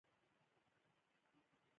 هغوی باید ټیکنالوژي ته وده ورکړي.